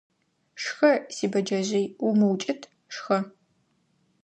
Шхэ, си бэджэжъый, умыукӀыт, шхэ!